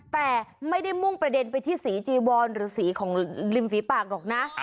แต่ไม่ได้มุ่งประเด็นไปที่สีจีวอนหรือสีของริมฝีปากหรอกนะ